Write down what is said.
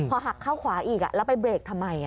พอหักเข้าขวาอีกแล้วไปเบรกทำไม